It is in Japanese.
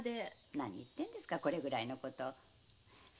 なに言ってるんですかこれぐらいのこと。